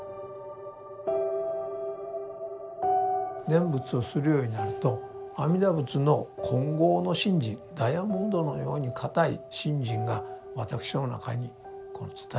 念仏をするようになると阿弥陀仏の金剛の信心ダイヤモンドのように固い信心が私の中にこの伝えられてくると。